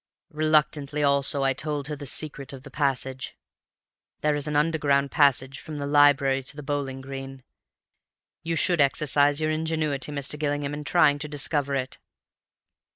Reluctantly, also, I told her the secret of the passage. (There is an underground passage from the library to the bowling green. You should exercise your ingenuity, Mr. Gillingham, in trying to discover it.